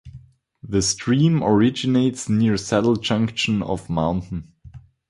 The stream originates near Saddle Junction on Mt.